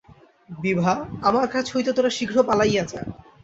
বিভা, আমার কাছ হইতে তােরা শীঘ্র পালাইয়া যা!